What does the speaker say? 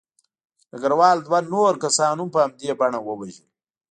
ډګروال دوه نور کسان هم په همدې بڼه ووژل